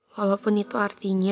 walaupun itu artinya